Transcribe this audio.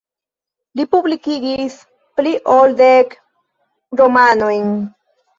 Li publikigis pli ol dek romanojn.